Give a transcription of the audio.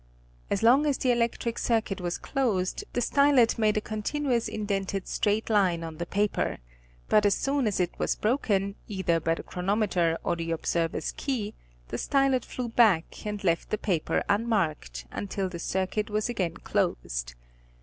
As long as the electric circuit was closed the stylet made a continuous indented straight line on the paper; but as soon as it was broken, either by the chronometer or the observer's key, the stylet flew back and left the paper unmarked until the circuit was again closed.